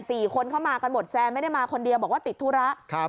สี่คนเข้ามากันหมดแซนไม่ได้มาคนเดียวบอกว่าติดธุระครับ